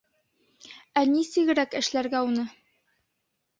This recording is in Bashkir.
Ә нисегерәк эшләргә уны?